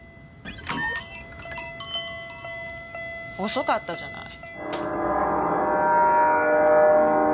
遅かったじゃない。